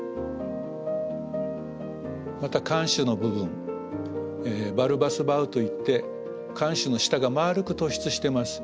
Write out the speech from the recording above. また艦首の部分バルバス・バウといって艦首の下が丸く突出してます。